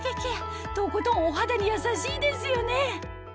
とことんお肌に優しいですよね！